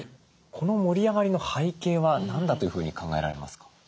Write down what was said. この盛り上がりの背景は何だというふうに考えられますか？